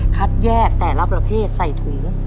คัดแยกแต่ละประเภทใส่ถุง